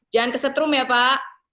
jangan kesetrum ya pak